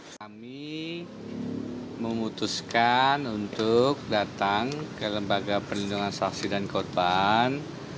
kami memutuskan untuk datang ke lembaga perlindungan saksi dan korban